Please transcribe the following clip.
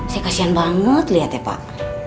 saya kasihan banget lihat ya pak